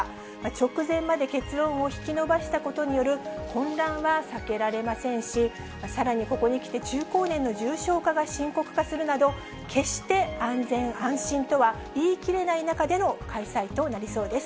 直前まで結論を引き延ばしたことによる混乱は避けられませんし、さらにここにきて、中高年の重症化が深刻化するなど、決して安全安心とは言いきれない中での開催となりそうです。